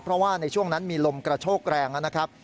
เพราะว่าในช่วงนั้นมีลมกระโชกแรงนะครับ